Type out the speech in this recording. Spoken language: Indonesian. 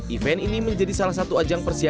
event ini menjadi salah satu ajang persiapan